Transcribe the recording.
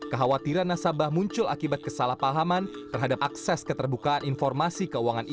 kekhawatiran nasabah muncul akibat kesalahpahaman terhadap akses keterbukaan informasi keuangan